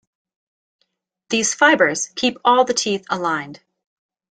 These fibers keep all the teeth aligned.